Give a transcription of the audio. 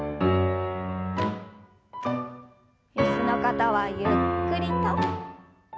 椅子の方はゆっくりと。